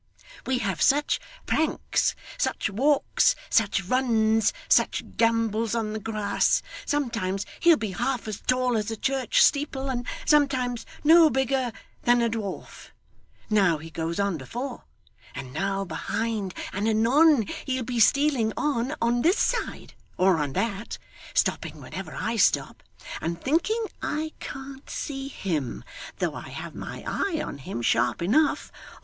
We have such pranks, such walks, such runs, such gambols on the grass! Sometimes he'll be half as tall as a church steeple, and sometimes no bigger than a dwarf. Now, he goes on before, and now behind, and anon he'll be stealing on, on this side, or on that, stopping whenever I stop, and thinking I can't see him, though I have my eye on him sharp enough.